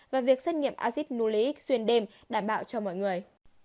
và việc xét nghiệm acid nulic xuyên đêm đảm bảo cho mọi người